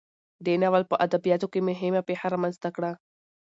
دې ناول په ادبیاتو کې مهمه پیښه رامنځته کړه.